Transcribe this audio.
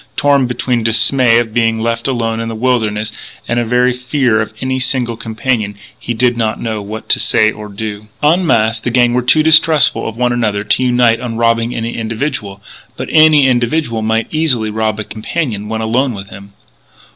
Torn between dismay of being left alone in the wilderness, and a very natural fear of any single companion, he did not know what to say or do. En masse, the gang were too distrustful of one another to unite on robbing any individual. But any individual might easily rob a companion when alone with him.